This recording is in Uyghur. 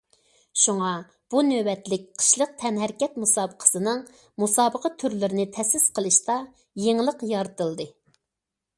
شۇڭا، بۇ نۆۋەتلىك قىشلىق تەنھەرىكەت مۇسابىقىسىنىڭ مۇسابىقە تۈرلىرىنى تەسىس قىلىشتا يېڭىلىق يارىتىلدى.